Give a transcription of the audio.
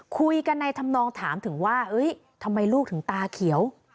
คุยกันในธรรมนองถามถึงว่าทำไมลูกถึงตาเขียว